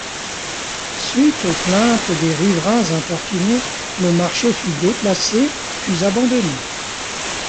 Suite aux plaintes des riverains importunés le marché fut déplacé puis abandonné.